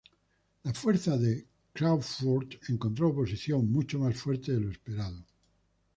La fuerza de Craufurd encontró oposición mucho más fuerte de lo esperado.